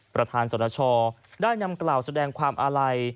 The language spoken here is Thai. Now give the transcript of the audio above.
ประธานสนชได้นำกล่าวแสดงความอาลัย